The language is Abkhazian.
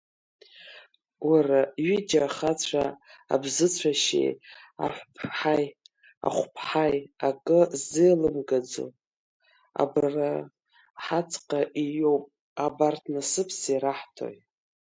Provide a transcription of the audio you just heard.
Уара, ҩыџьа ахацәа абзыцәашьеи ахәԥҳаи, акы ззеилымгаӡо, абра ҳаҵҟа ииоуп, абарҭ насыԥс ираҳҭои?